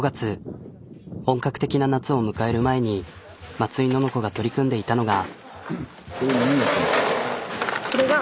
本格的な夏を迎える前に井のの子が取り組んでいたのが。